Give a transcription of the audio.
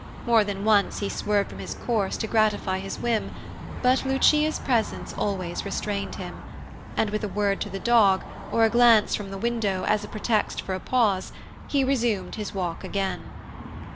More than once he swerved from his course to gratify his whim, but Lucia's presence always restrained him, and with a word to the dog, or a glance from the window, as pretext for a pause, he resumed his walk again.